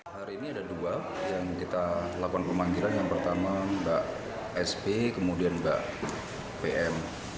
hari ini ada dua yang kita lakukan pemanggilan yang pertama mbak sp kemudian mbak pm